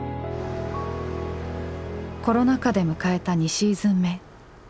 コロナ禍で迎えた２シーズン目。